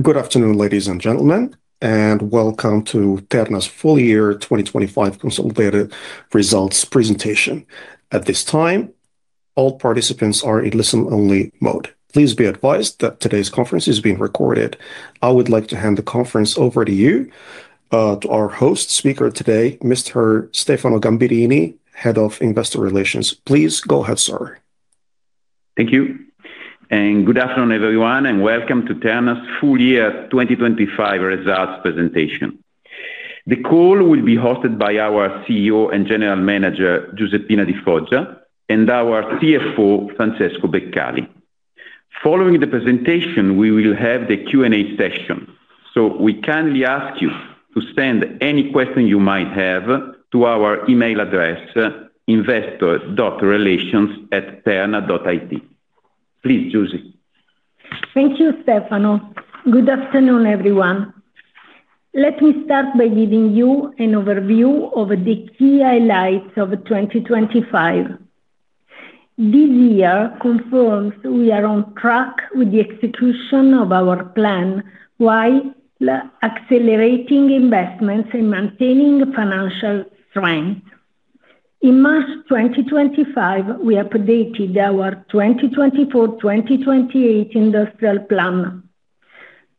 Good afternoon, ladies and gentlemen, and welcome to Terna's Full Year 2025 Consolidated Results presentation. At this time, all participants are in listen-only mode. Please be advised that today's conference is being recorded. I would like to hand the conference over to you, to our host speaker today, Mr. Stefano Gamberini, Head of Investor Relations. Please go ahead, sir. Thank you, and good afternoon, everyone, and welcome to Terna's Full Year 2025 Results presentation. The call will be hosted by our Chief Executive Officer and General Manager, Giuseppina Di Foggia, and our Chief Financial Officer, Francesco Beccali. Following the presentation, we will have the Q&A session, so we kindly ask you to send any question you might have to our email address, investors.relations@terna.it. Please, Giusy. Thank you, Stefano. Good afternoon, everyone. Let me start by giving you an overview of the key highlights of 2025. This year confirms we are on track with the execution of our plan while accelerating investments and maintaining financial strength. In March 2025, we updated our 2024/2028 industrial plan.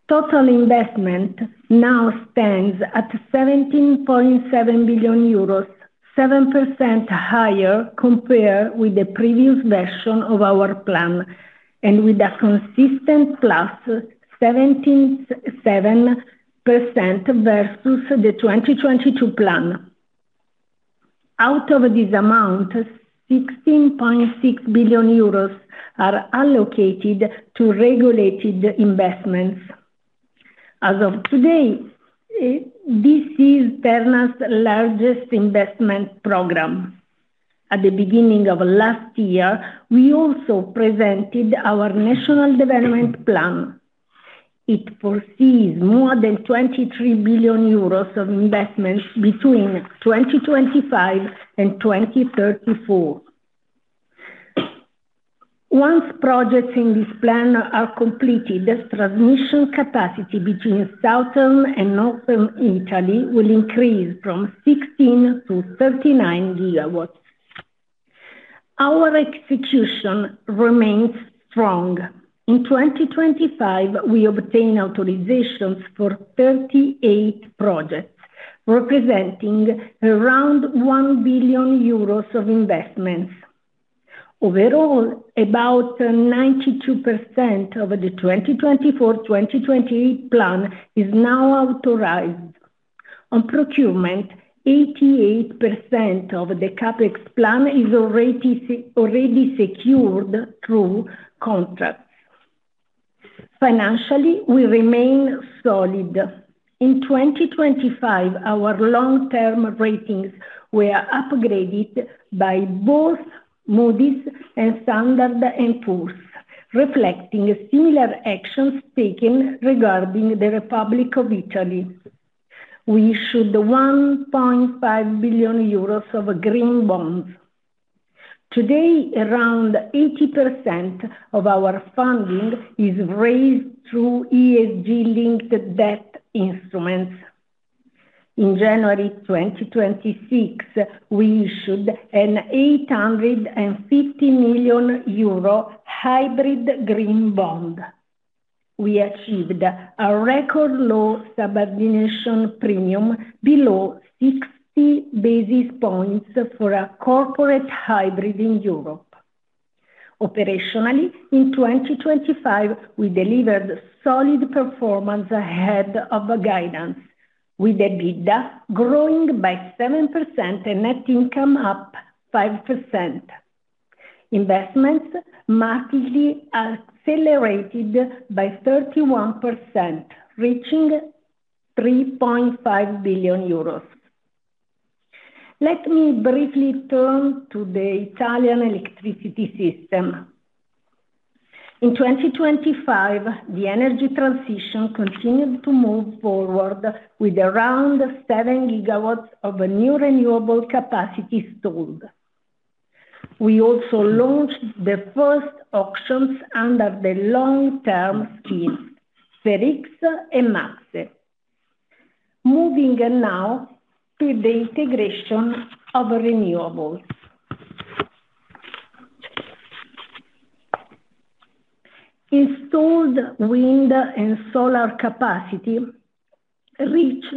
Total investment now stands at 17.7 billion euros, 7% higher compared with the previous version of our plan, and with a consistent plus 17.7% versus the 2022 plan. Out of this amount, 16.6 billion euros are allocated to regulated investments. As of today, this is Terna's largest investment program. At the beginning of last year, we also presented our national development plan. It foresees more than 23 billion euros of investments between 2025 and 2034. Once projects in this plan are completed, the transmission capacity between Southern and Northern Italy will increase from 16 GW-39 GW. Our execution remains strong. In 2025, we obtained authorizations for 38 projects, representing around 1 billion euros of investments. Overall, about 92% of the 2024/2028 plan is now authorized. On procurement, 88% of the CapEx plan is already secured through contracts. Financially, we remain solid. In 2025, our long-term ratings were upgraded by both Moody's and Standard & Poor's, reflecting similar actions taken regarding the Republic of Italy. We issued 1.5 billion euros of green bonds. Today, around 80% of our funding is raised through ESG-linked debt instruments. In January 2026, we issued an 850 million euro hybrid green bond. We achieved a record low subordination premium below 60 basis points for a corporate hybrid in Europe. Operationally, in 2025, we delivered solid performance ahead of guidance, with the EBITDA growing by 7% and net income up 5%. Investments massively accelerated by 31%, reaching 3.5 billion euros. Let me briefly turn to the Italian electricity system. In 2025, the energy transition continued to move forward with around 7 GW of new renewable capacity installed. We also launched the first auctions under the long-term scheme, FER-X and MACSE. Moving now to the integration of renewables. Installed wind and solar capacity reached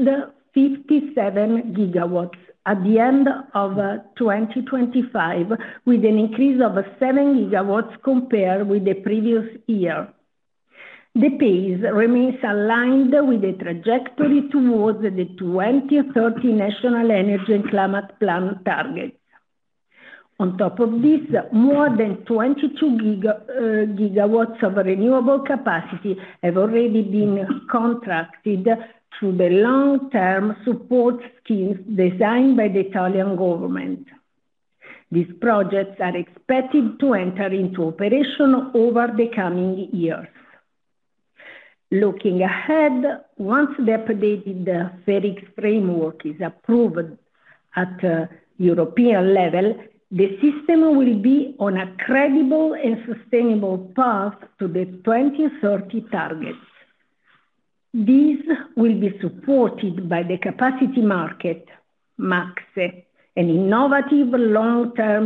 57 GW at the end of 2025, with an increase of 7 GW compared with the previous year. The pace remains aligned with the trajectory towards the 2030 National Energy and Climate Plan targets. On top of this, more than 22 GW of renewable capacity have already been contracted through the long-term support schemes designed by the Italian government. These projects are expected to enter into operation over the coming years. Looking ahead, once the updated PNIEC framework is approved at European level, the system will be on a credible and sustainable path to the 2030 targets. These will be supported by the capacity market, MACSE, an innovative long-term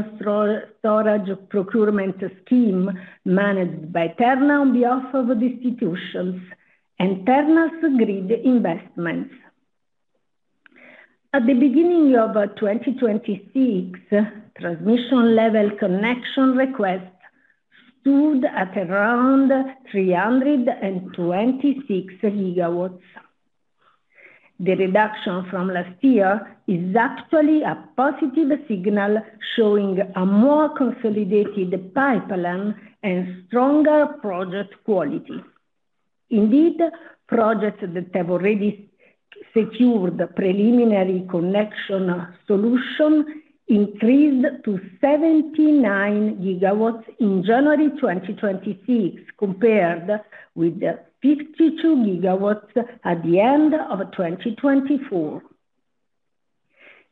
storage procurement scheme managed by Terna on behalf of the institutions and Terna's grid investments. At the beginning of 2026, transmission level connection requests stood at around 326 GW. The reduction from last year is actually a positive signal showing a more consolidated pipeline and stronger project quality. Indeed, projects that have already secured preliminary connection solution increased to 79 GW in January 2026, compared with 52 GW at the end of 2024.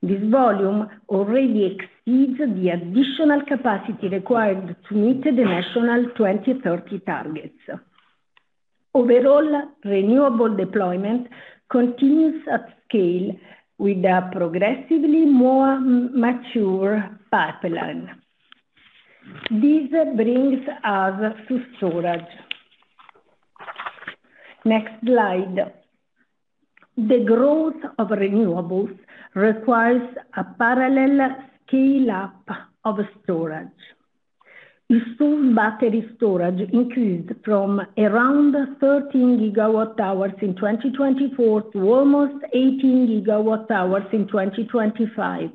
This volume already exceeds the additional capacity required to meet the national 2030 targets. Overall, renewable deployment continues at scale with a progressively more mature pipeline. This brings us to storage. Next slide. The growth of renewables requires a parallel scale-up of storage. Installed battery storage increased from around 13 GWh in 2024 to almost 18 GWh in 2025.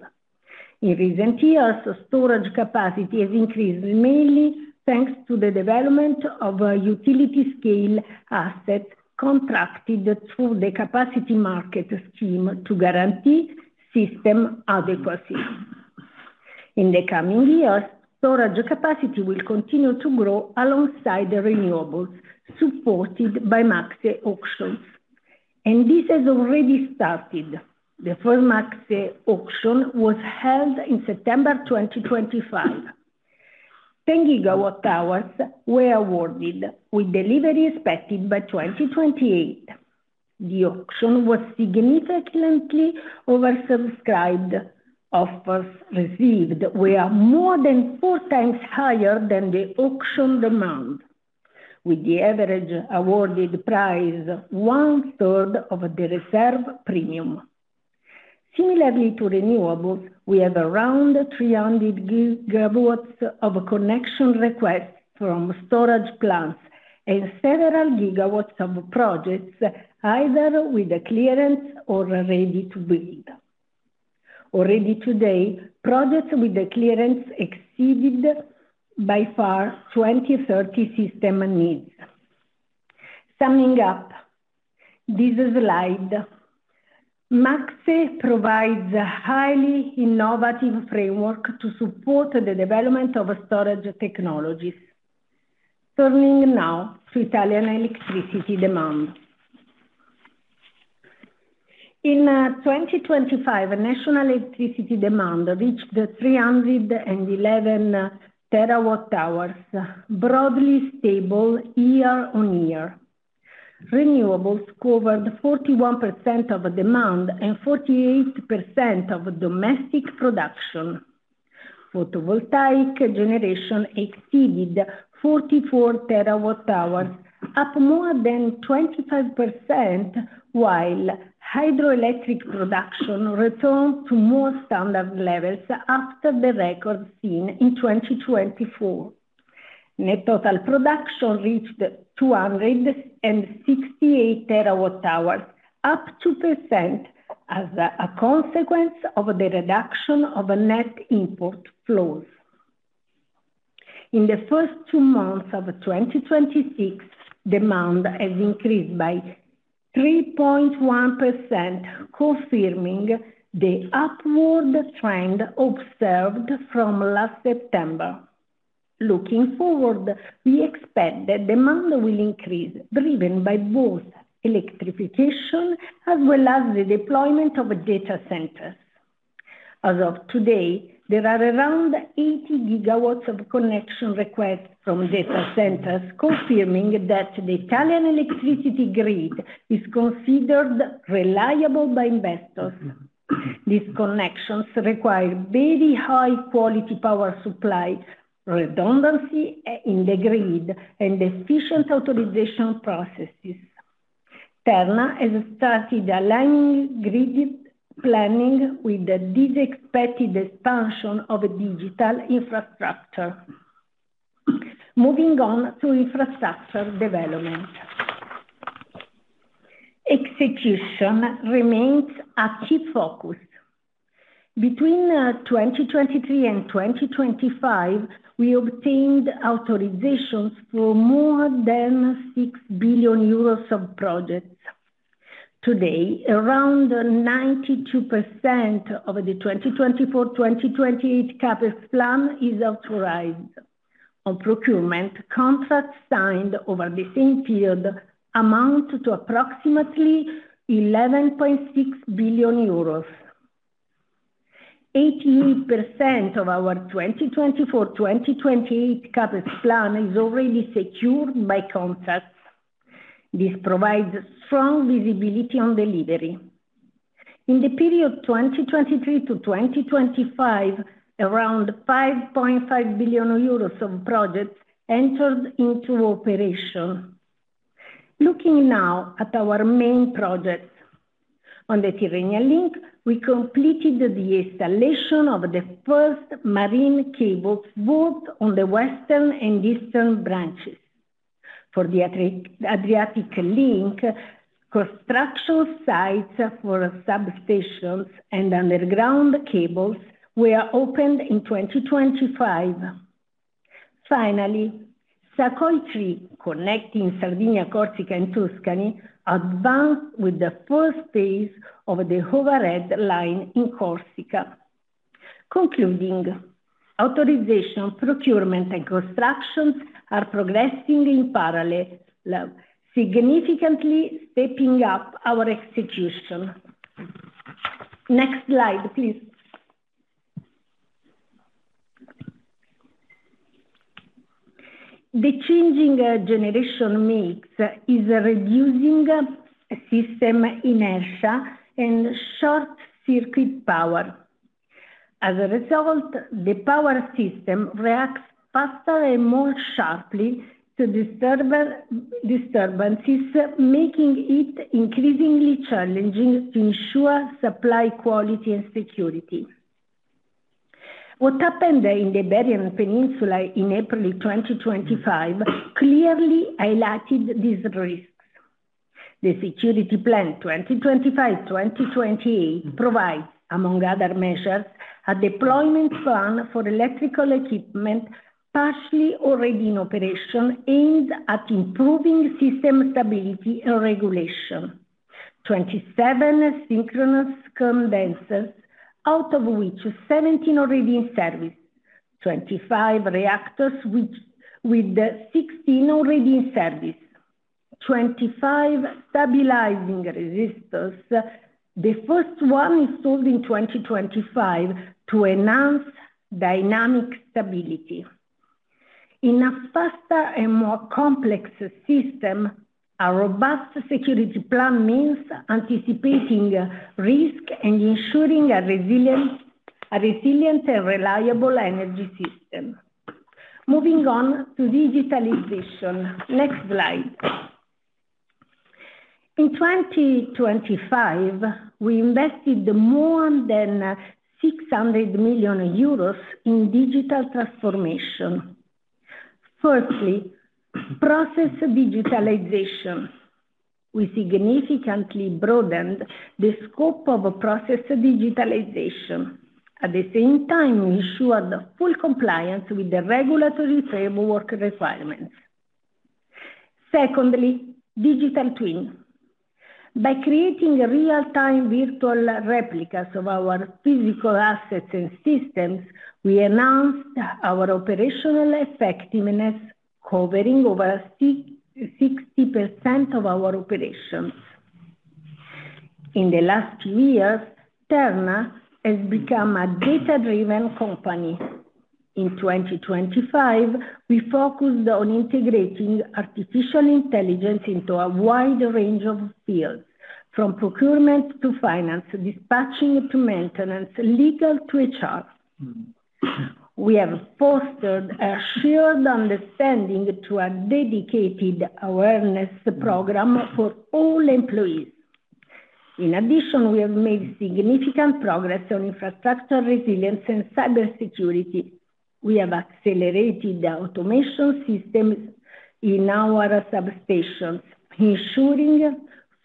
In recent years, storage capacity has increased mainly thanks to the development of utility-scale assets contracted through the capacity market scheme to guarantee system adequacy. In the coming years, storage capacity will continue to grow alongside the renewables supported by MACSE auctions. This has already started. The first MACSE auction was held in September 2025. 10 GWh were awarded with delivery expected by 2028. The auction was significantly oversubscribed. Offers received were more than four times higher than the auction demand, with the average awarded price one-third of the reserve premium. Similarly to renewables, we have around 300 GW of connection requests from storage plants and several GW of projects either with a clearance or are ready to build. Already today, projects with the clearance exceeded by far 2030 system needs. Summing up, this slide. MACSE provides a highly innovative framework to support the development of storage technologies. Turning now to Italian electricity demand. In 2025, national electricity demand reached 311 TWh, broadly stable year-on-year. Renewables covered 41% of demand and 48% of domestic production. Photovoltaic generation exceeded 44 TWh, up more than 25%, while hydroelectric production returned to more standard levels after the record seen in 2024. Net total production reached 268 TWh, up 2% as a consequence of the reduction of net import flows. In the first two months of 2026, demand has increased by 3.1%, confirming the upward trend observed from last September. Looking forward, we expect that demand will increase, driven by both electrification as well as the deployment of data centers. As of today, there are around 80 GW of connection requests from data centers, confirming that the Italian electricity grid is considered reliable by investors. These connections require very high quality power supply, redundancy in the grid, and efficient authorization processes. Terna has started aligning grid planning with this expected expansion of digital infrastructure. Moving on to infrastructure development. Execution remains a key focus. Between 2023 and 2025, we obtained authorizations for more than 6 billion euros of projects. Today, around 92% of the 2024-2028 CapEx plan is authorized. Procurement contracts signed over the same period amount to approximately EUR 11.6 billion. 88% of our 2024-2028 CapEx plan is already secured by contracts. This provides strong visibility on delivery. In the period 2023-2025, around 5.5 billion euros of projects entered into operation. Looking now at our main projects. On the Tyrrhenian Link, we completed the installation of the first marine cables, both on the western and eastern branches. For the Adriatic Link, construction sites for substations and underground cables were opened in 2025. Finally, SACOI 3, connecting Sardinia, Corsica and mainland Italy, advanced with the first phase of the overhead line in Corsica. Concluding, authorization, procurement, and construction are progressing in parallel, significantly stepping up our execution. Next slide, please. The changing generation mix is reducing system inertia and short-circuit power. As a result, the power system reacts faster and more sharply to disturbances, making it increasingly challenging to ensure supply quality and security. What happened in the Iberian Peninsula in April 2025 clearly highlighted these risks. The security plan 2025/2028 provides, among other measures, a deployment plan for electrical equipment, partially already in operation, aimed at improving system stability and regulation. 27 synchronous condensers, out of which 17 already in service. 25 reactors which, with 16 already in service. 25 stabilizing resistors, the first one installed in 2025 to enhance dynamic stability. In a faster and more complex system, a robust security plan means anticipating risk and ensuring a resilient and reliable energy system. Moving on to digitalization. Next slide. In 2025, we invested more than 600 million euros in digital transformation. Firstly, process digitalization. We significantly broadened the scope of process digitalization. At the same time, we ensured full compliance with the regulatory framework requirements. Secondly, digital twin. By creating real-time virtual replicas of our physical assets and systems, we enhanced our operational effectiveness, covering over 66% of our operations. In the last two years, Terna has become a data-driven company. In 2025, we focused on integrating artificial intelligence into a wide range of fields, from procurement to finance, dispatching to maintenance, legal to HR. We have fostered a shared understanding through a dedicated awareness program for all employees. In addition, we have made significant progress on infrastructure resilience and cybersecurity. We have accelerated the automation systems in our substations, ensuring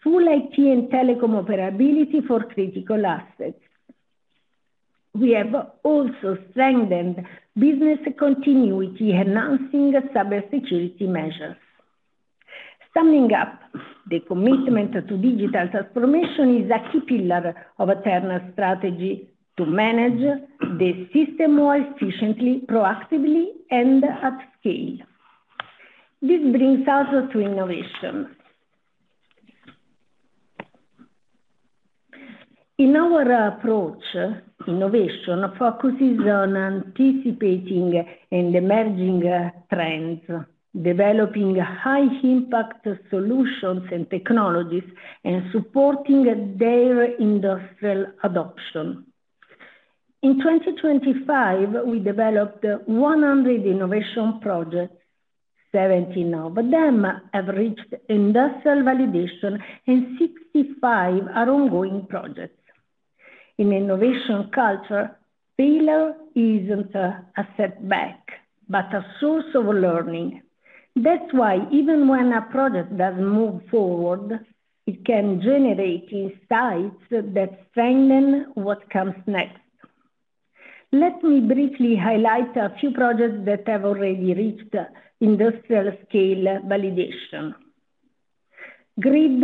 full IT and telecom operability for critical assets. We have also strengthened business continuity, enhancing cybersecurity measures. Summing up, the commitment to digital transformation is a key pillar of Terna's strategy to manage the system more efficiently, proactively and at scale. This brings us to innovation. In our approach, innovation focuses on anticipating and emerging trends, developing high-impact solutions and technologies, and supporting their industrial adoption. In 2025, we developed 100 innovation projects. 70 of them have reached industrial validation, and 65 are ongoing projects. In innovation culture, failure isn't a setback, but a source of learning. That's why even when a project doesn't move forward, it can generate insights that strengthen what comes next. Let me briefly highlight a few projects that have already reached industrial-scale validation. Grid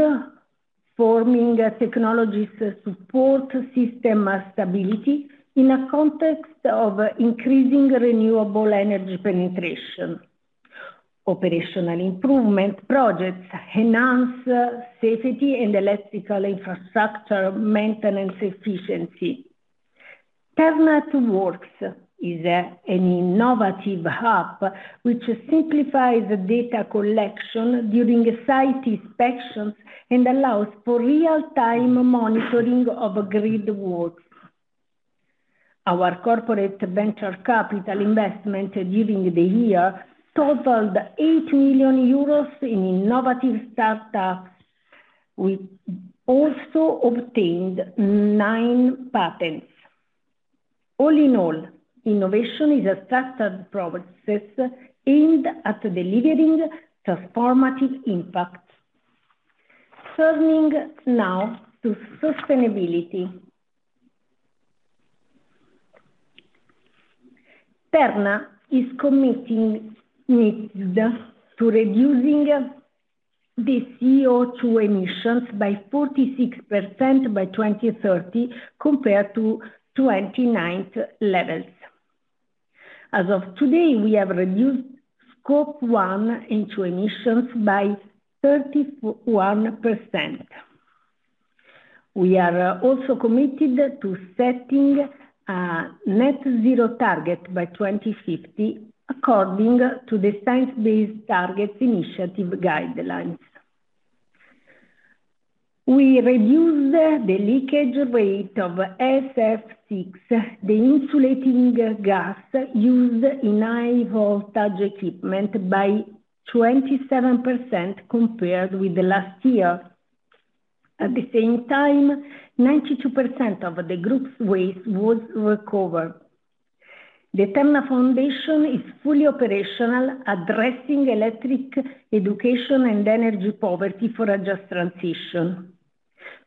forming technologies support system stability in a context of increasing renewable energy penetration. Operational improvement projects enhance safety and electrical infrastructure maintenance efficiency. TERNA@WORKS is an innovative hub which simplifies data collection during site inspections and allows for real-time monitoring of grid works. Our corporate venture capital investment during the year totaled 8 million euros in innovative startups. We also obtained nine patents. All in all, innovation is a trusted process aimed at delivering transformative impact. Turning now to sustainability. Terna is committed to reducing the CO₂ emissions by 46% by 2030 compared to 2019 levels. As of today, we have reduced scope one and two emissions by 31%. We are also committed to setting a net zero target by 2050 according to the Science Based Targets initiative guidelines. We reduced the leakage rate of SF₆, the insulating gas used in high voltage equipment, by 27% compared with last year. At the same time, 92% of the group's waste was recovered. The Terna Foundation is fully operational, addressing electric education and energy poverty for a just transition.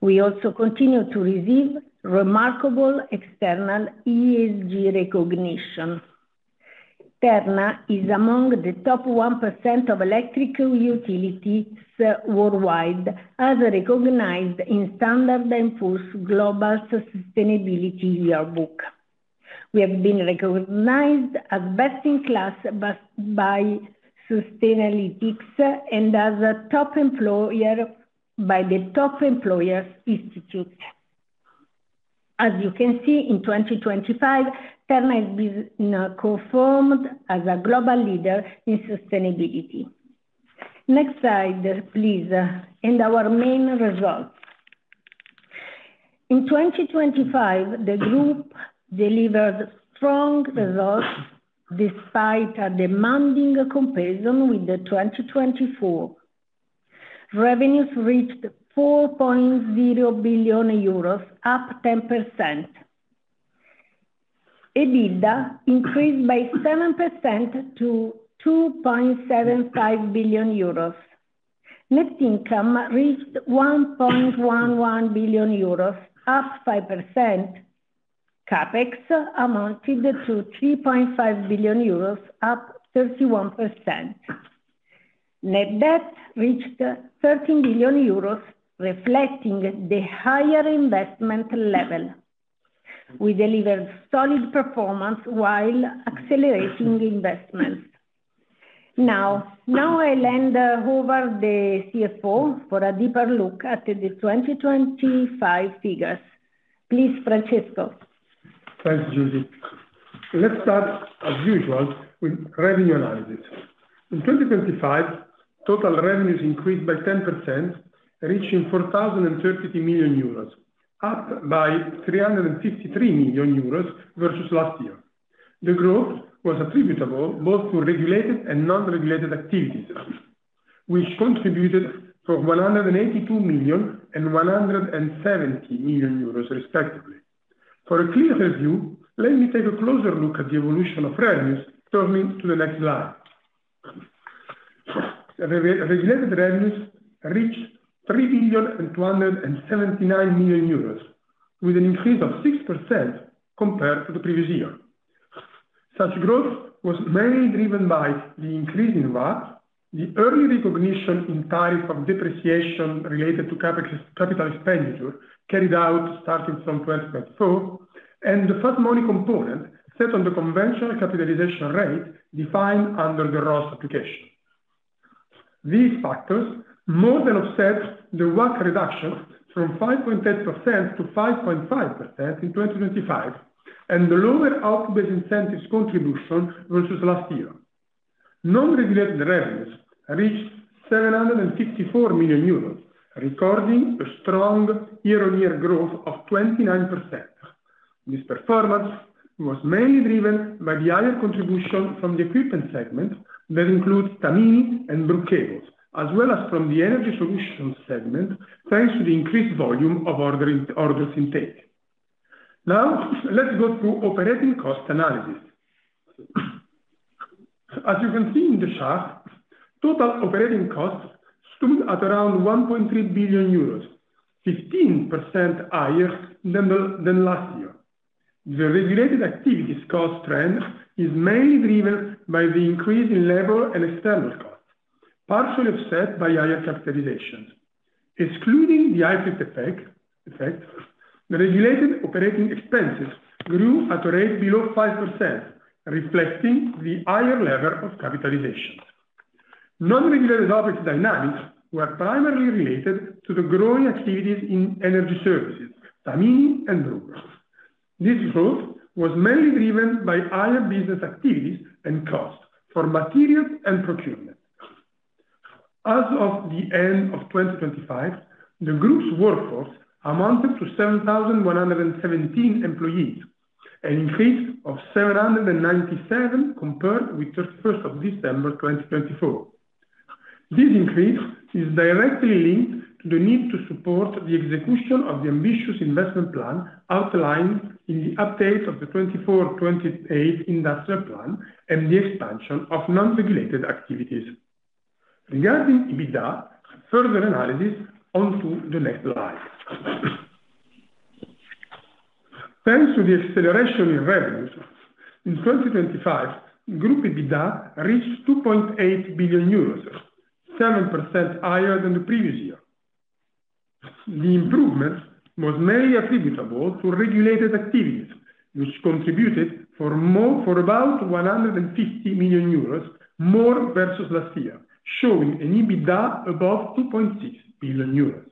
We also continue to receive remarkable external ESG recognition. Terna is among the top 1% of electrical utilities worldwide, as recognized in S&P Global Sustainability Yearbook. We have been recognized as best in class by Sustainalytics and as a top employer by the Top Employers Institute. As you can see, in 2025, Terna has been confirmed as a global leader in sustainability. Next slide, please. Our main results. In 2025, the group delivered strong results despite a demanding comparison with the 2024. Revenues reached 4.0 billion euros, up 10%. EBITDA increased by 7% to 2.75 billion euros. Net income reached 1.11 billion euros, up 5%. CapEx amounted to 3.5 billion euros, up 31%. Net debt reached 13 billion euros, reflecting the higher investment level. We delivered solid performance while accelerating investments. Now I'll hand over to the Chief Financial Officer for a deeper look at the 2025 figures. Please, Francesco. @Thanks, Giusy. Let's start as usual with revenue analysis. In 2025, total revenues increased by 10%, reaching 4,030 million euros, up by 353 million euros versus last year. The growth was attributable both to regulated and non-regulated activities, which contributed 182 million and 170 million euros respectively. For a clearer view, let me take a closer look at the evolution of revenues, turning to the next slide. Regulated revenues reached 3,279 million euros with an increase of 6% compared to the previous year. Such growth was mainly driven by the increase in VAT, the early recognition in tariff of depreciation related to CapEx, capital expenditure carried out starting from 2024, and the first monetary component set on the conventional capitalization rate defined under the ROSS application. These factors more than offset the WACC reduction from 5.8% to 5.5% in 2025 and the lower output-based incentives contribution versus last year. Non-regulated revenues reached 754 million euros, recording a strong year-on-year growth of 29%. This performance was mainly driven by the higher contribution from the equipment segment that includes Tamini and Brugg Cables, as well as from the energy solutions segment, thanks to the increased volume of orders intake. Now, let's go to operating cost analysis. As you can see in the chart, total operating costs stood at around 1.3 billion euros, 15% higher than last year. The regulated activities cost trend is mainly driven by the increase in labor and external costs, partially offset by higher capitalization. Excluding the IFRIC effect, the regulated operating expenses grew at a rate below 5%, reflecting the higher level of capitalization. Non-regulated profits dynamics were primarily related to the growing activities in energy services, Tamini and Brugg. This growth was mainly driven by higher business activities and costs for materials and procurement. As of the end of 2025, the group's workforce amounted to 7,117 employees, an increase of 797 compared with December 31, 2024. This increase is directly linked to the need to support the execution of the ambitious investment plan outlined in the update of the 2024-2028 industrial plan and the expansion of non-regulated activities. Regarding EBITDA, further analysis onto the next slide. Thanks to the acceleration in revenues, in 2025, group EBITDA reached 2.8 billion euros, 7% higher than the previous year. The improvement was mainly attributable to regulated activities, which contributed for about 150 million euros more versus last year, showing an EBITDA above 2.6 billion euros.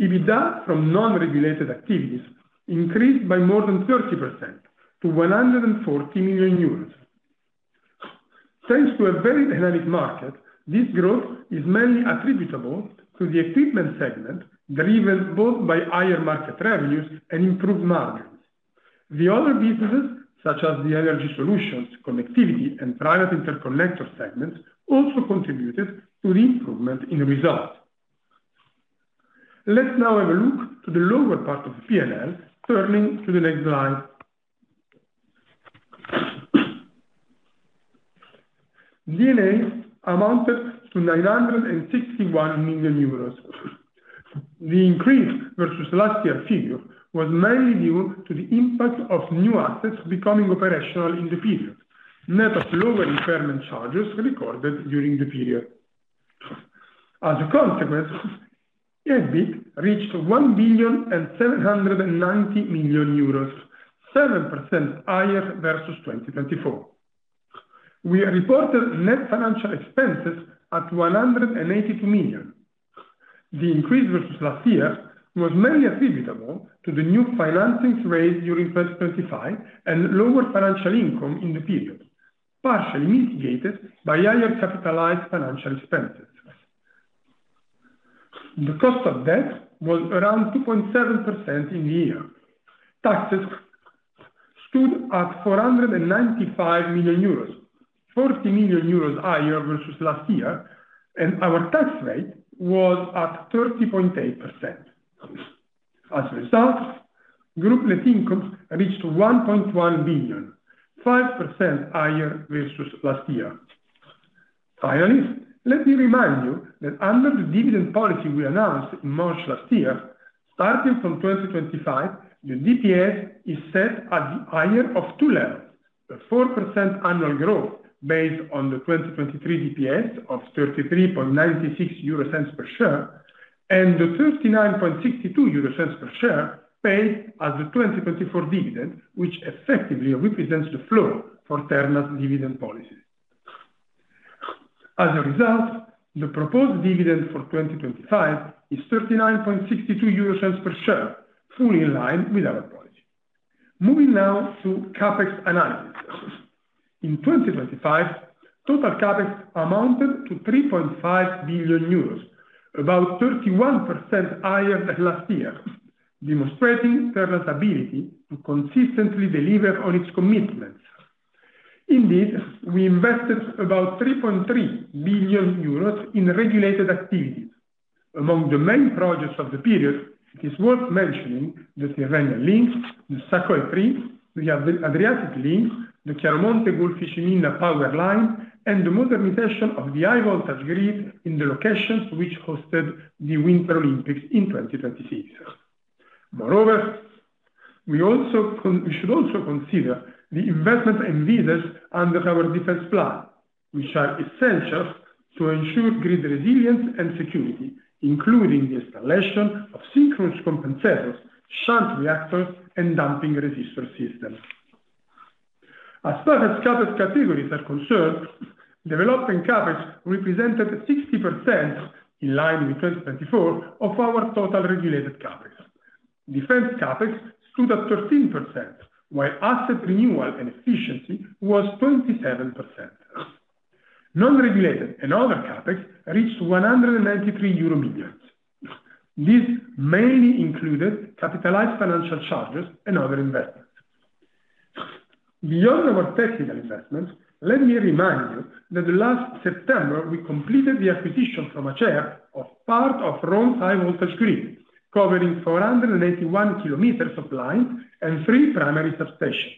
EBITDA from non-regulated activities increased by more than 30% to 140 million euros. Thanks to a very dynamic market, this growth is mainly attributable to the equipment segment, driven both by higher market revenues and improved margins. The other businesses, such as the energy solutions, connectivity, and private interconnector segments also contributed to the improvement in results. Let's now have a look to the lower part of the P&L, turning to the next slide. D&A amounted to 961 million euros. The increase versus last year's figure was mainly due to the impact of new assets becoming operational in the period, net of lower impairment charges recorded during the period. As a consequence, EBIT reached EUR 1.79 billion, 7% higher versus 2024. We reported net financial expenses at 182 million. The increase versus last year was mainly attributable to the new financings raised during 2025 and lower financial income in the period, partially mitigated by higher capitalized financial expenses. The cost of debt was around 2.7% in the year. Taxes stood at 495 million euros, 40 million euros higher versus last year, and our tax rate was at 30.8%. As a result, group net income reached 1.1 billion, 5% higher versus last year. Finally, let me remind you that under the dividend policy we announced in March last year, starting from 2025, the DPS is set at the higher of two levels. The 4% annual growth based on the 2023 DPS of 0.3396 per share, and the 0.3962 per share paid as the 2024 dividend, which effectively represents the floor for Terna's dividend policy. As a result, the proposed dividend for 2025 is 0.3962 euros per share, fully in line with our policy. Moving now to CapEx analysis. In 2025, total CapEx amounted to 3.5 billion euros, about 31% higher than last year, demonstrating Terna's ability to consistently deliver on its commitments. Indeed, we invested about 3.3 billion euros in regulated activities. Among the main projects of the period, it is worth mentioning the Tyrrhenian Link, the SACOI 3, the Adriatic Link, the Chiaramonte Gulfi-Scoglitti power line, and the modernization of the high voltage grid in the locations which hosted the Winter Olympics in 2026. Moreover, we should also consider the investment in ventures under our defense plan, which are essential to ensure grid resilience and security, including the installation of synchronous compensators, shunt reactors, and damping resistor systems. As far as CapEx categories are concerned, development CapEx represented 60%, in line with 2024, of our total regulated CapEx. Defense CapEx stood at 13%, while asset renewal and efficiency was 27%. Non-regulated and other CapEx reached 193 million euro. This mainly included capitalized financial charges and other investments. Beyond our technical investments, let me remind you that last September, we completed the acquisition from Acea of part of Rome's high voltage grid, covering 481 km of line and three primary substations.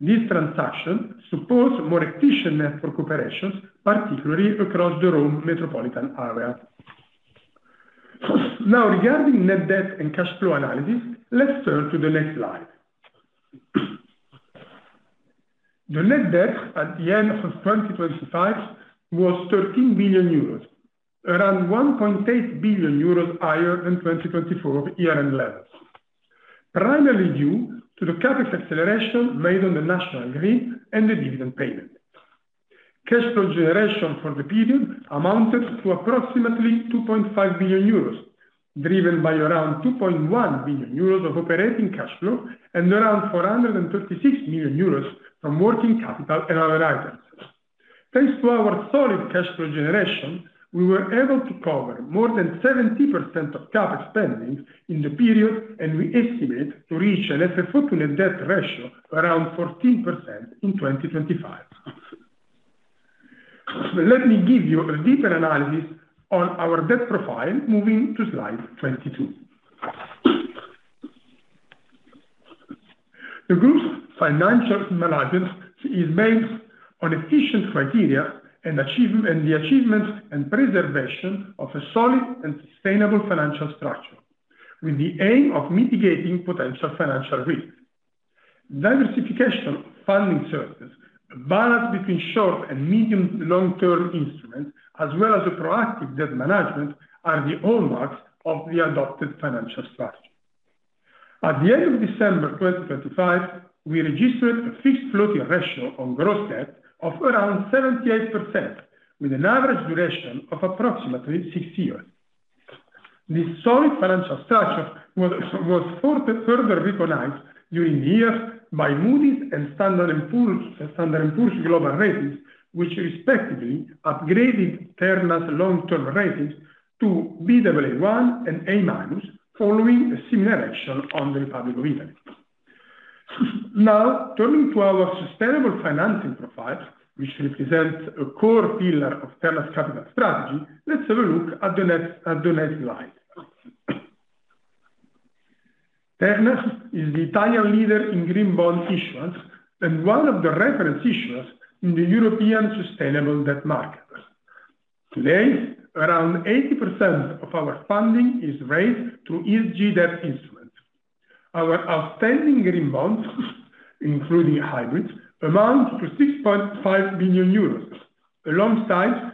This transaction supports more efficient network operations, particularly across the Rome metropolitan area. Now regarding net debt and cash flow analysis, let's turn to the next slide. The net debt at the end of 2025 was 13 billion euros, around 1.8 billion euros higher than 2024 year-end levels, primarily due to the CapEx acceleration made on the national grid and the dividend payment. Cash flow generation for the period amounted to approximately 2.5 billion euros, driven by around 2.1 billion euros of operating cash flow and around 436 million euros from working capital and other items. Thanks to our solid cash flow generation, we were able to cover more than 70% of CapEx spending in the period, and we estimate to reach an FFO to net debt ratio around 14% in 2025. Let me give you a deeper analysis on our debt profile, moving to slide 22. The group's financial management is based on efficient criteria and the achievement and preservation of a solid and sustainable financial structure with the aim of mitigating potential financial risk. Diversification of funding sources, a balance between short and medium long-term instruments, as well as a proactive debt management are the hallmarks of the adopted financial strategy. At the end of December 2025, we registered a fixed floating ratio on gross debt of around 78%, with an average duration of approximately six years. This solid financial structure was further recognized during the year by Moody's and Standard & Poor's Global Ratings, which respectively upgraded Terna's long-term ratings to Baa1 and A- following a similar action on the Republic of Italy. Now, turning to our sustainable financing profile, which represents a core pillar of Terna's capital strategy, let's have a look at the next slide. Terna is the Italian leader in green bond issuance and one of the reference issuers in the European sustainable debt markets. Today, around 80% of our funding is raised through ESG debt instruments. Our outstanding green bonds, including hybrids, amount to 6.5 billion euros, alongside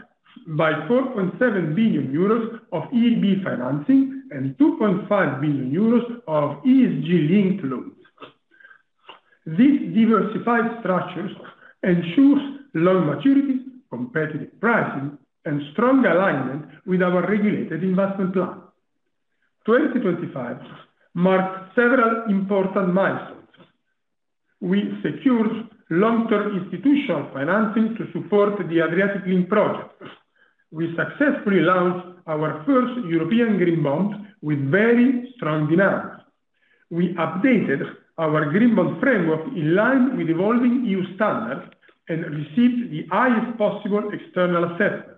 4.7 billion euros of EIB financing and 2.5 billion euros of ESG-linked loans. This diversified structure ensures long maturities, competitive pricing, and strong alignment with our regulated investment plan. 2025 marked several important milestones. We secured long-term institutional financing to support the Adriatic Link project. We successfully launched our first European green bond with very strong demand. We updated our green bond framework in line with evolving EU standards and received the highest possible external assessment.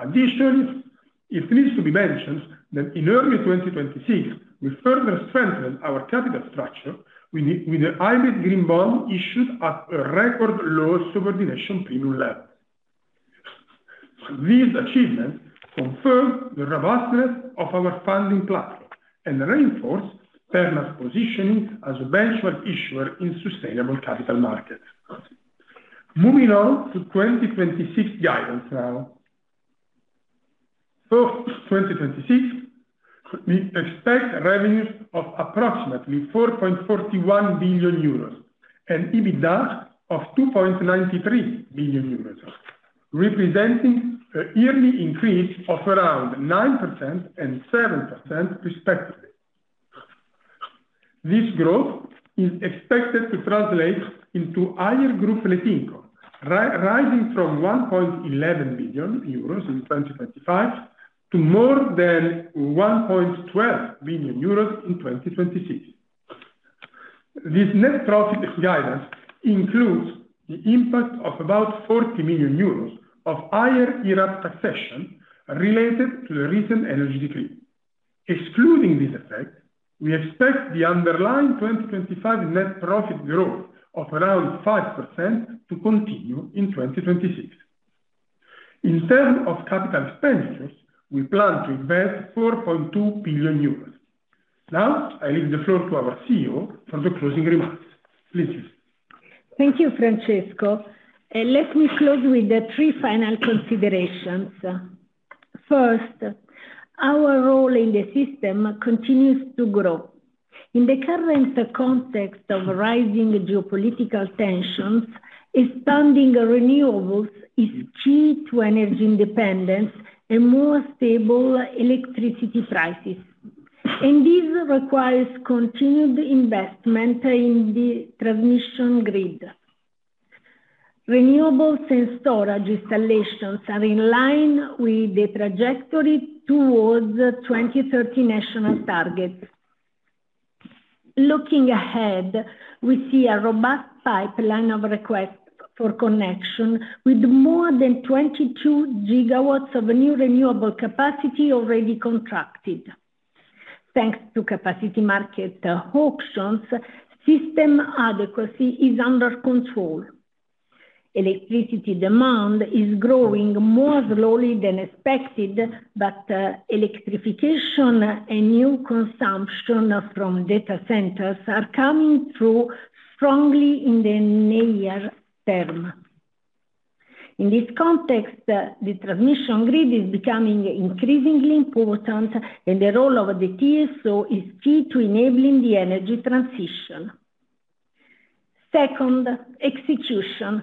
Additionally, it needs to be mentioned that in early 2026, we further strengthened our capital structure with a hybrid green bond issued at a record low subordination premium level. These achievements confirm the robustness of our funding platform and reinforce Terna's positioning as a benchmark issuer in sustainable capital markets. Moving on to 2026 guidance now. 2026, we expect revenues of approximately 4.41 billion euros and EBITDA of 2.93 billion euros, representing a yearly increase of around 9% and 7% respectively. This growth is expected to translate into higher group net income, rising from 1.11 billion euros in 2025 to more than 1.12 billion euros in 2026. This net profit guidance includes the impact of about 40 million euros of higher IRAP taxation related to the recent energy decree. Excluding this effect, we expect the underlying 2025 net profit growth of around 5% to continue in 2026. In terms of capital expenditures, we plan to invest 4.2 billion euros. Now, I leave the floor to our Chief Executive Officer for the closing remarks. Please. Thank you, Francesco. Let me close with the three final considerations. First, our role in the system continues to grow. In the current context of rising geopolitical tensions, expanding renewables is key to energy independence and more stable electricity prices, and this requires continued investment in the transmission grid. Renewables and storage installations are in line with the trajectory towards 2030 national targets. Looking ahead, we see a robust pipeline of requests for connection with more than 22 GW of new renewable capacity already contracted. Thanks to capacity market auctions, system adequacy is under control. Electricity demand is growing more slowly than expected, but electrification and new consumption from data centers are coming through strongly in the near term. In this context, the transmission grid is becoming increasingly important, and the role of the TSO is key to enabling the energy transition. Second, execution.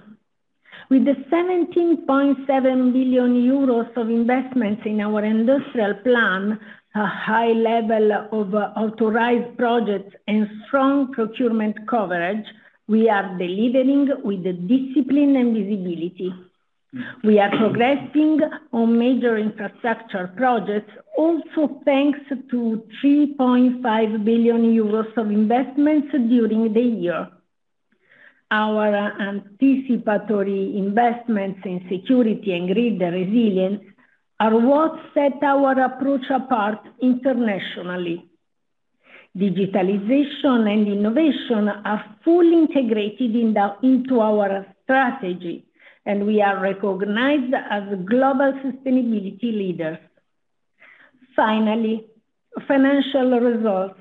With the 17.7 billion euros of investments in our industrial plan, a high level of authorized projects and strong procurement coverage, we are delivering with discipline and visibility. We are progressing on major infrastructure projects also thanks to 3.5 billion euros of investments during the year. Our anticipatory investments in security and grid resilience are what set our approach apart internationally. Digitalization and innovation are fully integrated into our strategy, and we are recognized as global sustainability leaders. Finally, financial results.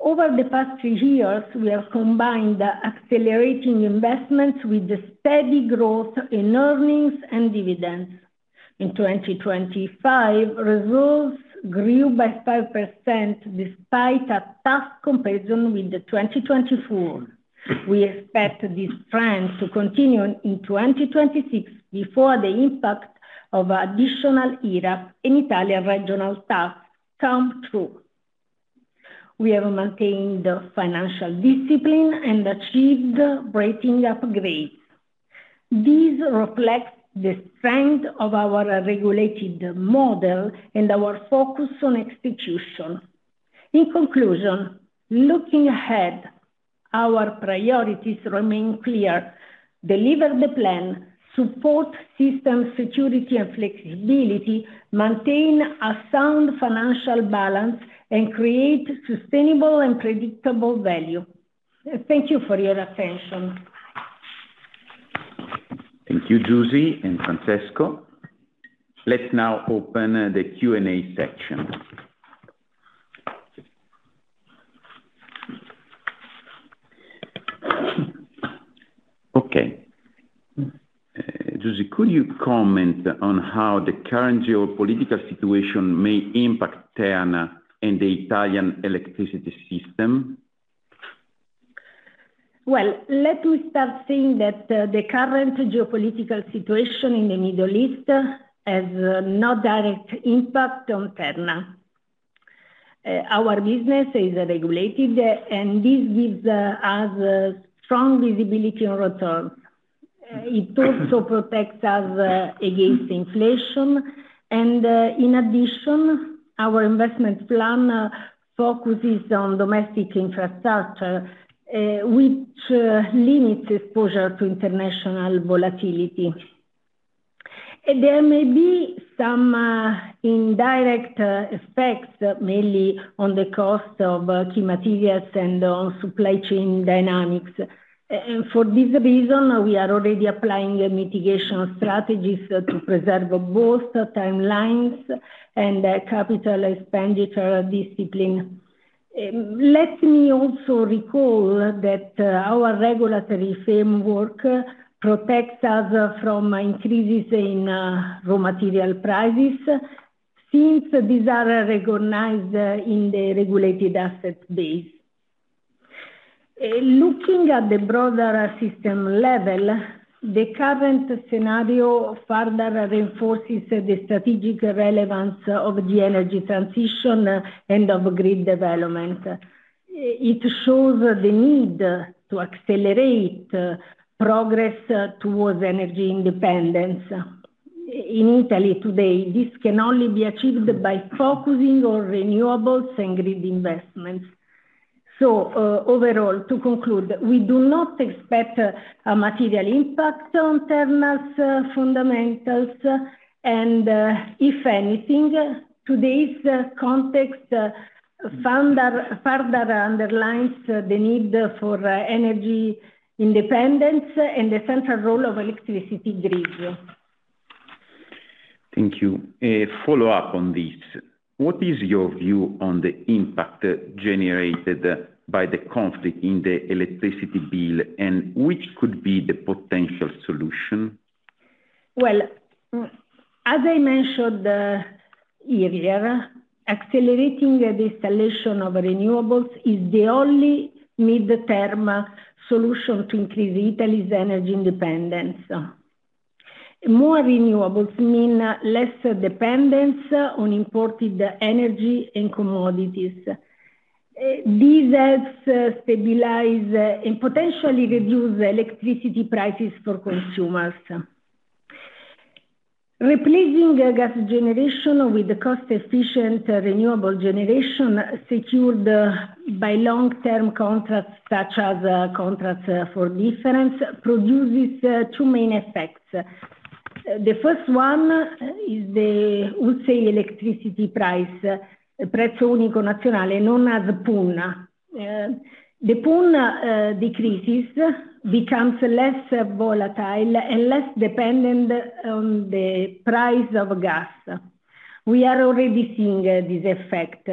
Over the past three years, we have combined accelerating investments with the steady growth in earnings and dividends. In 2025, results grew by 5% despite a tough comparison with the 2024. We expect this trend to continue in 2026 before the impact of additional IRAP and Italian regional tariffs come through. We have maintained financial discipline and achieved rating upgrades. These reflect the strength of our regulated model and our focus on execution. In conclusion, looking ahead, our priorities remain clear. Deliver the plan, support system security and flexibility, maintain a sound financial balance, and create sustainable and predictable value. Thank you for your attention. Thank you, Giusy and Francesco. Let's now open the Q&A section. Okay. Giusy, could you comment on how the current geopolitical situation may impact Terna and the Italian electricity system? Well, let me start saying that the current geopolitical situation in the Middle East has no direct impact on Terna. Our business is regulated, and this gives us strong visibility on returns. It also protects us against inflation. In addition, our investment plan focuses on domestic infrastructure, which limits exposure to international volatility. There may be some indirect effects, mainly on the cost of key materials and on supply chain dynamics. For this reason, we are already applying mitigation strategies to preserve both timelines and capital expenditure discipline. Let me also recall that our regulatory framework protects us from increases in raw material prices since these are recognized in the regulated asset base. Looking at the broader system level, the current scenario further reinforces the strategic relevance of the energy transition and of grid development. It shows the need to accelerate progress towards energy independence. In Italy today, this can only be achieved by focusing on renewables and grid investments. Overall, to conclude, we do not expect a material impact on Terna's fundamentals, and if anything, today's context further underlines the need for energy independence and the central role of electricity grids. Thank you. A follow-up on this. What is your view on the impact generated by the conflict in the electricity bill, and which could be the potential solution? Well, as I mentioned earlier, accelerating the installation of renewables is the only mid-term solution to increase Italy's energy independence. More renewables mean less dependence on imported energy and commodities. This helps stabilize and potentially reduce electricity prices for consumers. Replacing gas generation with cost-efficient renewable generation secured by long-term contracts, such as contracts for difference, produces two main effects. The first one is the wholesale electricity price, Prezzo Unico Nazionale, known as PUN. The PUN decreases, becomes less volatile and less dependent on the price of gas. We are already seeing this effect.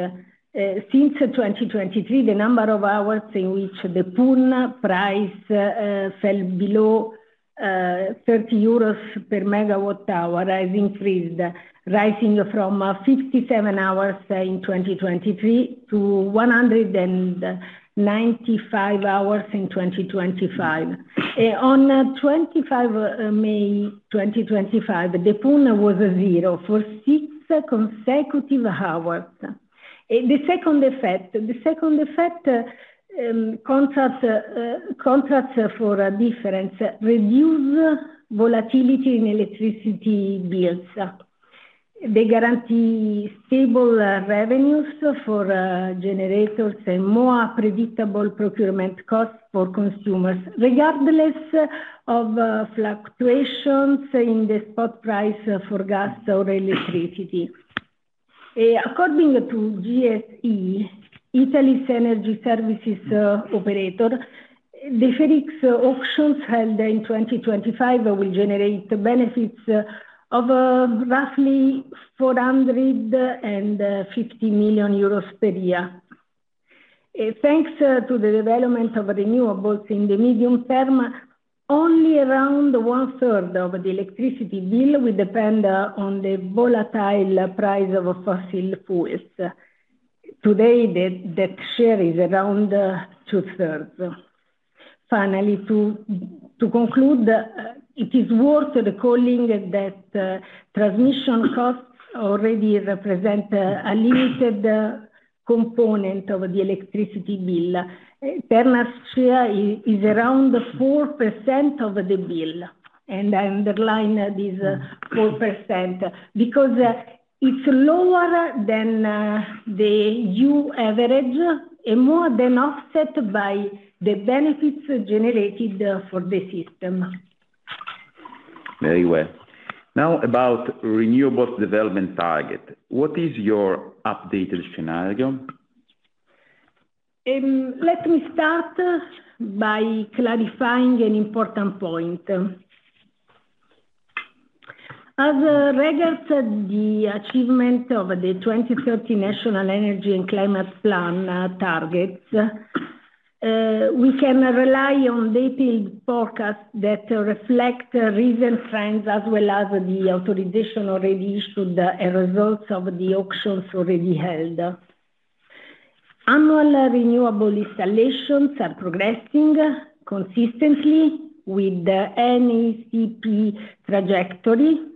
Since 2023, the number of hours in which the PUN price fell below 30 euros per megawatt hour has increased, rising from 57 hours in 2023 to 195 hours in 2025. On 25 May 2025, the PUN was zero EUR for six consecutive hours. The second effect, contracts for difference reduce volatility in electricity bills. They guarantee stable revenues for generators and more predictable procurement costs for consumers, regardless of fluctuations in the spot price for gas or electricity. According to GSE, Italy's energy services operator, the FER X auctions held in 2025 will generate benefits of roughly 450 million euros per year. Thanks to the development of renewables in the medium term, only around 1/3 of the electricity bill will depend on the volatile price of fossil fuels. Today, that share is around 2/3. Finally, to conclude, it is worth recalling that transmission costs already represent a limited component of the electricity bill. Terna's share is around 4% of the bill. I underline this 4% because it's lower than the EU average and more than offset by the benefits generated for the system. Very well. Now about renewables development target. What is your updated scenario? Let me start by clarifying an important point. As regards the achievement of the 2030 National Energy and Climate Plan targets, we can rely on detailed forecasts that reflect recent trends as well as the authorization already issued and results of the auctions already held. Annual renewable installations are progressing consistently with the NECP trajectory.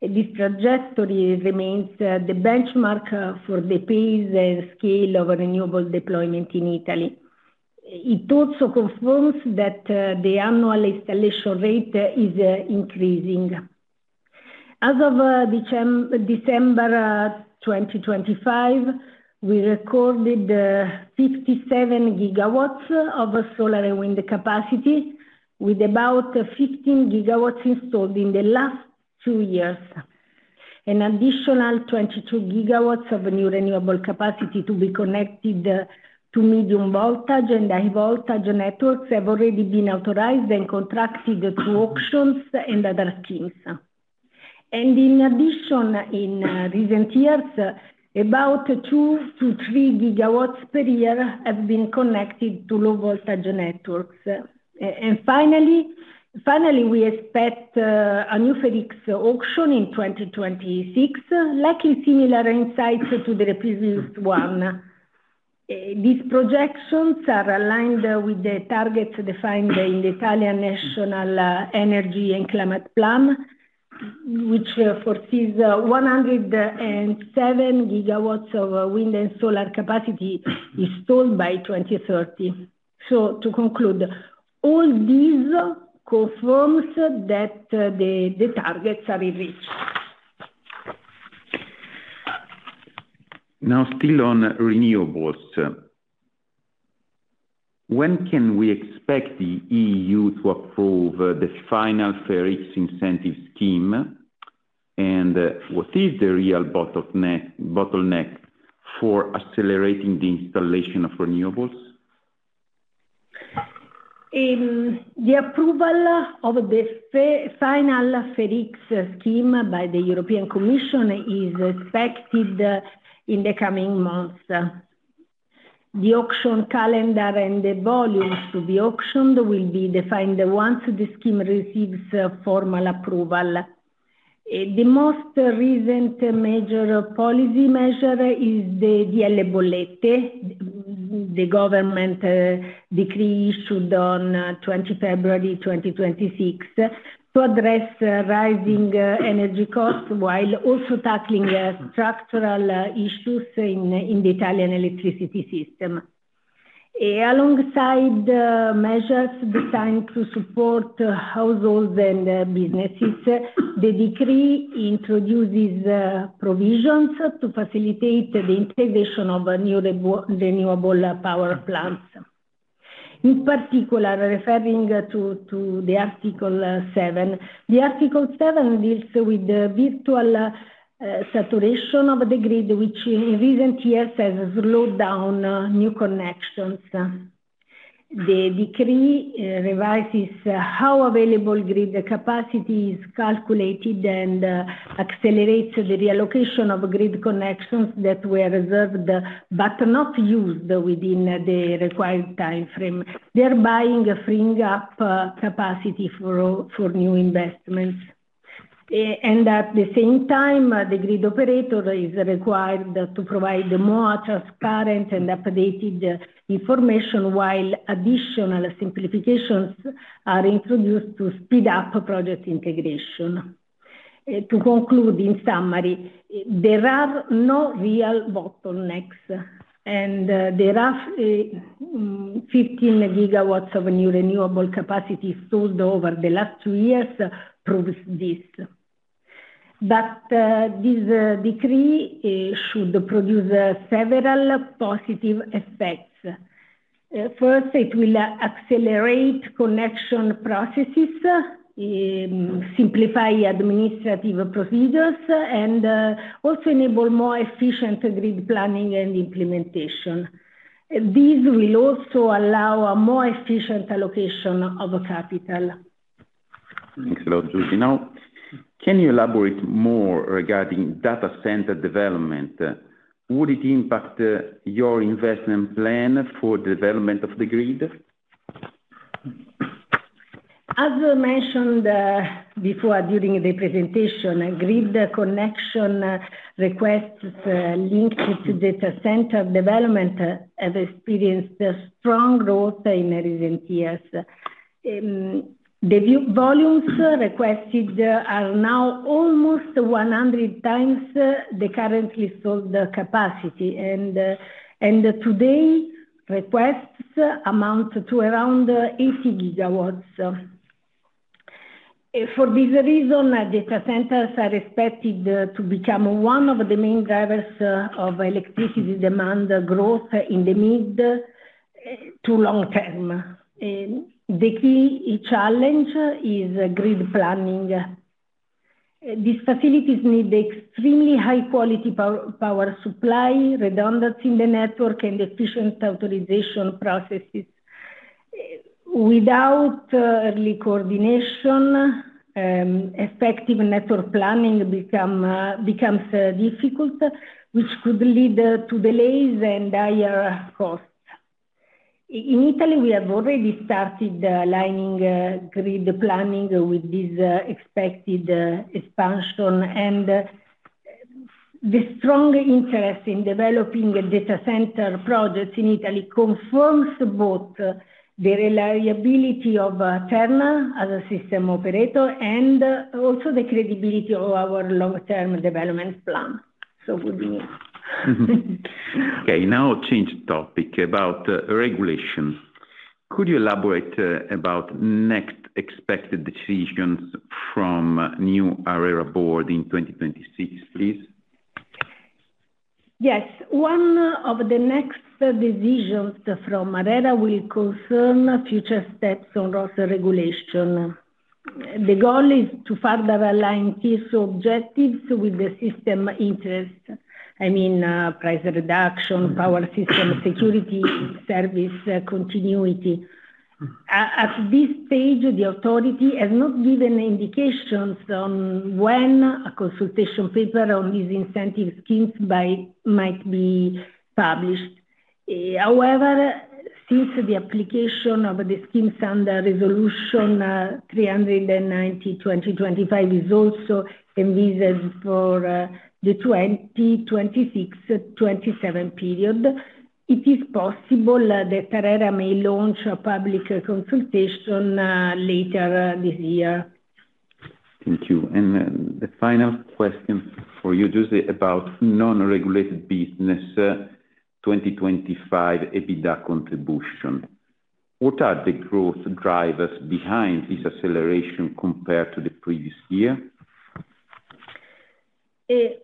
This trajectory remains the benchmark for the pace and scale of renewable deployment in Italy. It also confirms that the annual installation rate is increasing. As of December 2025, we recorded 57 GW of solar and wind capacity with about 15 GW installed in the last two years. An additional 22 GW of new renewable capacity to be connected to medium-voltage and high-voltage networks have already been authorized and contracted through auctions and other schemes. In addition, in recent years, about 2 GW-3 GW per year have been connected to low-voltage networks. And finally, we expect a new FER X auction in 2026, likely similar in size to the previous one. These projections are aligned with the targets defined in the Italian National Energy and Climate Plan, which foresees 107 GW of wind and solar capacity installed by 2030. To conclude, all this confirms that the targets are being reached. Now still on renewables, when can we expect the EU to approve the final FER X incentive scheme? What is the real bottleneck for accelerating the installation of renewables? The approval of the final FER X scheme by the European Commission is expected in the coming months. The auction calendar and the volumes to be auctioned will be defined once the scheme receives formal approval. The most recent major policy measure is the DL Bollette, the government decree issued on February 20, 2026 to address rising energy costs while also tackling structural issues in the Italian electricity system. Alongside measures designed to support households and businesses, the decree introduces provisions to facilitate the integration of new renewable power plants. In particular, referring to the article seven. The article seven deals with the virtual saturation of the grid which in recent years has slowed down new connections. The decree revises how available grid capacity is calculated and accelerates the reallocation of grid connections that were reserved but not used within the required time frame, thereby freeing up capacity for new investments. At the same time, the grid operator is required to provide more transparent and updated information while additional simplifications are introduced to speed up project integration. To conclude, in summary, there are no real bottlenecks, and the rough 15 GW of new renewable capacity sold over the last two years proves this. This decree should produce several positive effects. First, it will accelerate connection processes, simplify administrative procedures, and also enable more efficient grid planning and implementation. These will also allow a more efficient allocation of capital. Thanks a lot, Giusy. Now, can you elaborate more regarding data center development? Would it impact your investment plan for development of the grid? As I mentioned, before, during the presentation, grid connection requests linked to data center development have experienced a strong growth in recent years. The volumes requested are now almost 100x the currently sold capacity and today requests amount to around 80 GW. For this reason, data centers are expected to become one of the main drivers of electricity demand growth in the mid to long term. The key challenge is grid planning. These facilities need extremely high-quality power supply, redundancy in the network, and efficient authorization processes. Without early coordination, effective network planning becomes difficult, which could lead to delays and higher costs. In Italy, we have already started aligning grid planning with this expected expansion. The strong interest in developing data center projects in Italy confirms both the reliability of Terna as a system operator and also the credibility of our long-term development plan. Good news. Okay, now change topic. About regulation. Could you elaborate about next expected decisions from new ARERA board in 2026, please? Yes. One of the next decisions from ARERA will concern future steps on ROSS regulation. The goal is to further align these objectives with the system interest, I mean, price reduction, power system security, service continuity. At this stage, the authority has not given indications on when a consultation paper on these incentive schemes might be published. However, since the application of the schemes under Resolution 390/2025 is also envisaged for the 2026-2027 period, it is possible that ARERA may launch a public consultation later this year. Thank you. The final question for you, Giusy, about non-regulated business, 2025 EBITDA contribution. What are the growth drivers behind this acceleration compared to the previous year?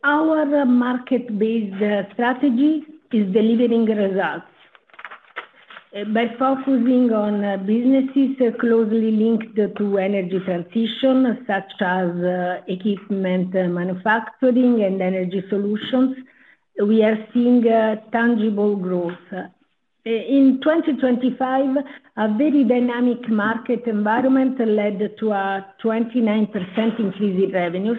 Our market-based strategy is delivering results. By focusing on businesses closely linked to energy transition such as equipment manufacturing and energy solutions, we are seeing tangible growth. In 2025, a very dynamic market environment led to a 29% increase in revenues,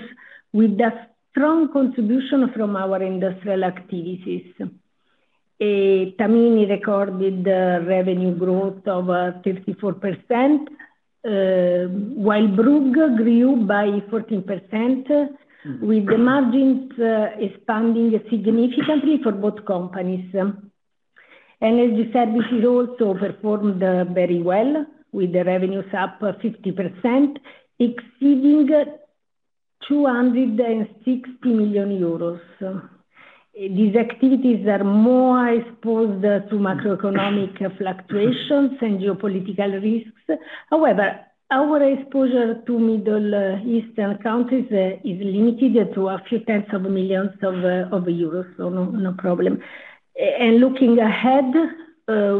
with a strong contribution from our industrial activities. Tamini recorded revenue growth of 54%, while Brugg grew by 14%, with the margins expanding significantly for both companies. Energy services also performed very well, with the revenues up 50%, exceeding 260 million euros. These activities are more exposed to macroeconomic fluctuations and geopolitical risks. However, our exposure to Middle Eastern countries is limited to a few tens of millions of EUR, so no problem. Looking ahead,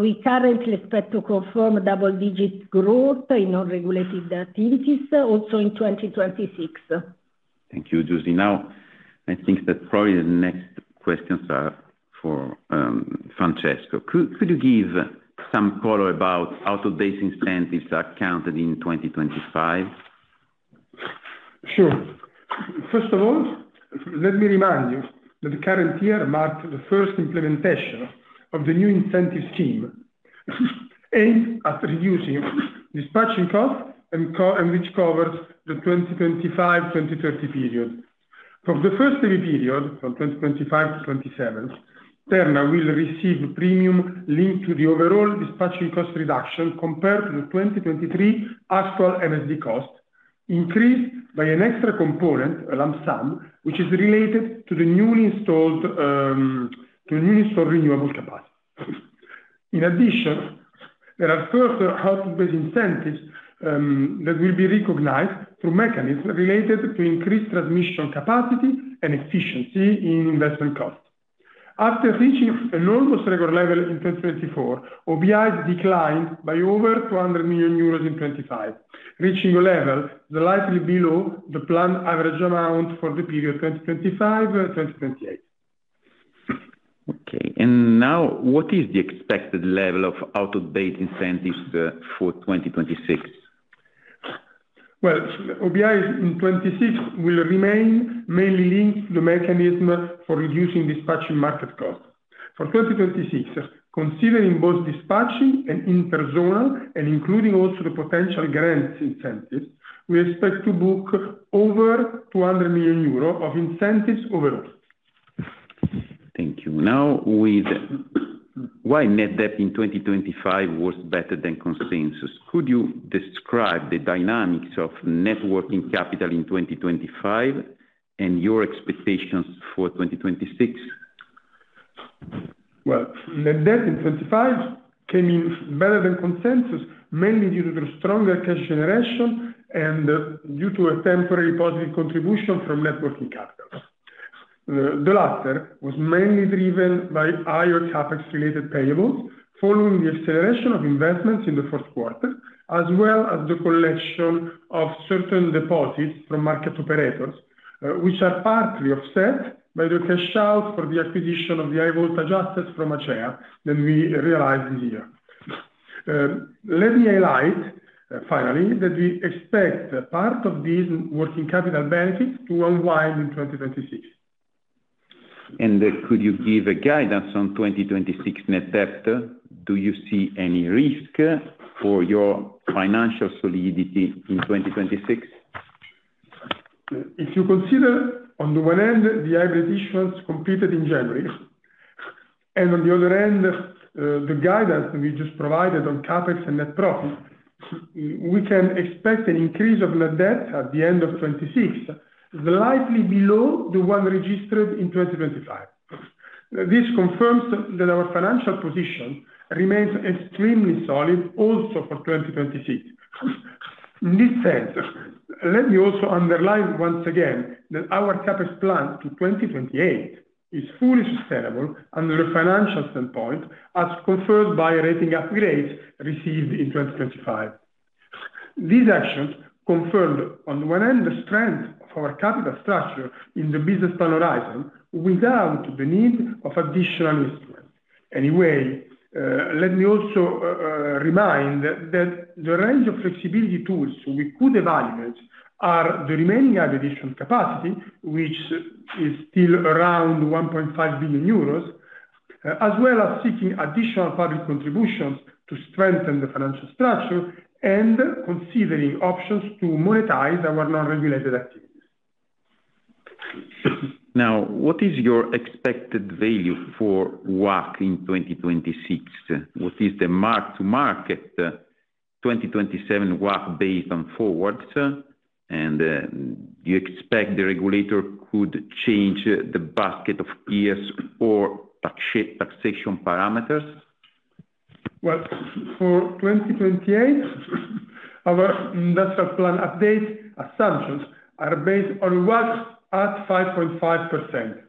we currently expect to confirm double digits growth in our regulated activities also in 2026. Thank you, Giusy. Now, I think that probably the next questions are for Francesco. Could you give some color about out-of-base incentives accounted in 2025? Sure. First of all, let me remind you that the current year marked the first implementation of the new incentive scheme, aimed at reducing dispatching costs, which covers the 2025/2030 period. From the first three-year period, from 2025 to 2027, Terna will receive a premium linked to the overall dispatching cost reduction compared to the 2023 actual MSD cost, increased by an extra component, a lump sum, which is related to the newly installed renewable capacity. In addition, there are further out-of-base incentives that will be recognized through mechanisms related to increased transmission capacity and efficiency in investment costs. After reaching an almost record level in 2024, OBIs declined by over 200 million euros in 2025, reaching a level slightly below the planned average amount for the period 2025/2028. Okay. Now, what is the expected level of out-of-base incentives for 2026? Well, OBIs in 2026 will remain mainly linked to the mechanism for reducing dispatching market costs. For 2026, considering both dispatching and inter zonal, and including also the potential grants incentives, we expect to book over 200 million euros of incentives overall. Thank you. Now, why net debt in 2025 was better than consensus? Could you describe the dynamics of net working capital in 2025 and your expectations for 2026? Well, net debt in 2025 came in better than consensus, mainly due to the stronger cash generation and due to a temporary positive contribution from net working capital. The latter was mainly driven by higher CapEx related payables following the acceleration of investments in the Q4, as well as the collection of certain deposits from market operators, which are partly offset by the cash out for the acquisition of the high voltage assets from Acea that we realized in the year. Let me highlight, finally, that we expect part of this working capital benefit to unwind in 2026. Could you give a guidance on 2026 net debt? Do you see any risk for your financial solidity in 2026? If you consider on the one end the hybrid issuance completed in January, and on the other end, the guidance we just provided on CapEx and net profit, we can expect an increase of net debt at the end of 2026, slightly below the one registered in 2025. This confirms that our financial position remains extremely solid also for 2026. In this sense, let me also underline once again that our CapEx plan to 2028 is fully sustainable under a financial standpoint, as confirmed by rating upgrades received in 2025. These actions confirmed on the one end the strength of our capital structure in the business plan horizon without the need of additional instruments. Anyway, let me also remind that the range of flexibility tools we could evaluate are the remaining additional capacity, which is still around 1.5 billion euros, as well as seeking additional public contributions to strengthen the financial structure and considering options to monetize our non-regulated activities. Now, what is your expected value for WACC in 2026? What is the mark-to-market 2027 WACC based on forwards? And, do you expect the regulator could change the basket of peers or tax shield taxation parameters? Well, for 2028, our industrial plan update assumptions are based on WACC at 5.5%.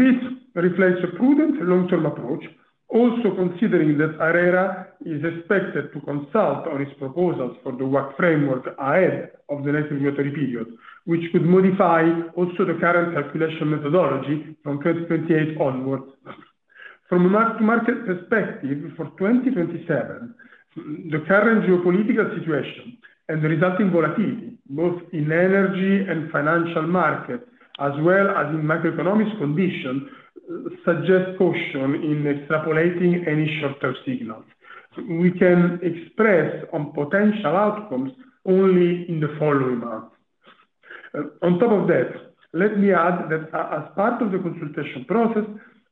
This reflects a prudent long-term approach, also considering that ARERA is expected to consult on its proposals for the WACC framework ahead of the next regulatory period, which could modify also the current calculation methodology from 2028 onwards. From a mark-to-market perspective, for 2027, the current geopolitical situation and the resulting volatility, both in energy and financial market, as well as in macroeconomic condition, suggests caution in extrapolating any shorter signals. We can express on potential outcomes only in the following months. On top of that, let me add that as part of the consultation process,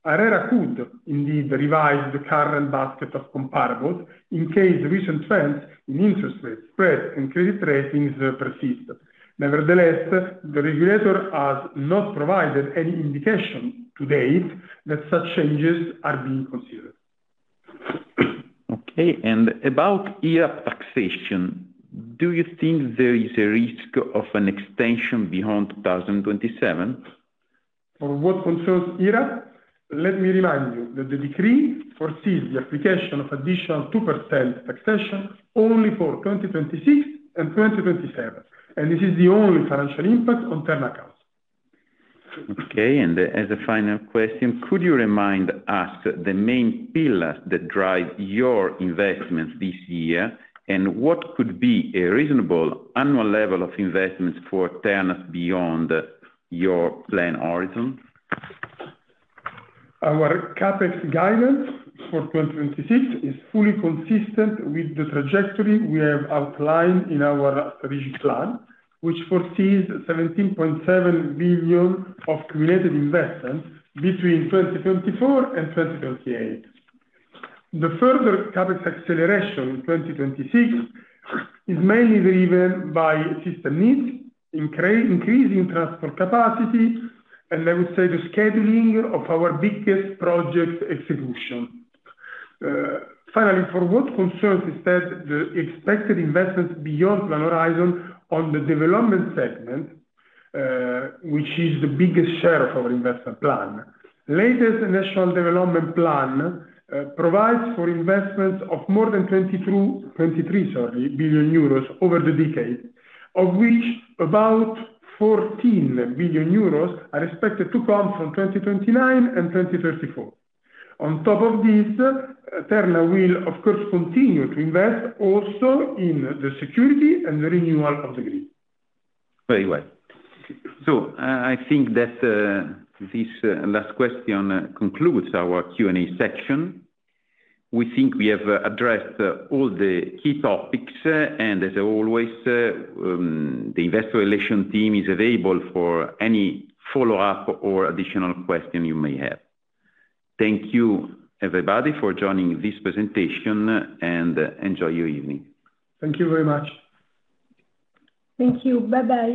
ARERA could indeed revise the current basket of comparables in case recent trends in interest rates, spreads, and credit ratings persist. Nevertheless, the regulator has not provided any indication to date that such changes are being considered. Okay. About IRAP taxation, do you think there is a risk of an extension beyond 2027? For what concerns IRAP, let me remind you that the decree foresees the application of additional 2% taxation only for 2026 and 2027, and this is the only financial impact on Terna accounts. Okay. As a final question, could you remind us the main pillars that drive your investments this year? What could be a reasonable annual level of investments for Terna beyond your plan horizon? Our CapEx guidance for 2026 is fully consistent with the trajectory we have outlined in our revision plan, which foresees 17.7 billion of cumulative investments between 2024 and 2028. The further CapEx acceleration in 2026 is mainly driven by system needs, increasing transport capacity, and I would say the scheduling of our biggest project execution. Finally, for what concerns instead the expected investments beyond plan horizon on the development segment, which is the biggest share of our investment plan, latest national development plan provides for investments of more than 23 billion euros over the decade, of which about 14 billion euros are expected to come from 2029 and 2034. On top of this, Terna will of course continue to invest also in the security and the renewal of the grid. Very well. I think that this last question concludes our Q&A section. We think we have addressed all the key topics, and as always, the Investor Relations team is available for any follow-up or additional question you may have. Thank you everybody for joining this presentation, and enjoy your evening. Thank you very much. Thank you. Bye-bye.